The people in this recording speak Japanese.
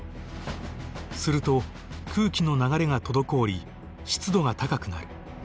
すると空気の流れが滞り湿度が高くなる。